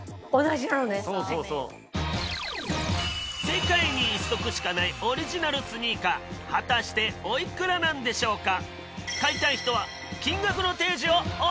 世界に一足しかないオリジナルスニーカー果たしておいくらなんでしょうか？